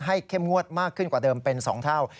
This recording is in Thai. เข้มงวดมากขึ้นกว่าเดิมเป็น๒เท่า